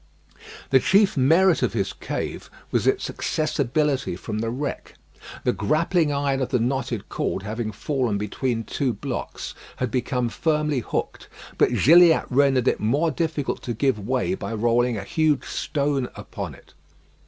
The chief merit of his cave was its accessibility from the wreck. The grappling iron of the knotted cord having fallen between two blocks, had become firmly hooked, but Gilliatt rendered it more difficult to give way by rolling a huge stone upon it.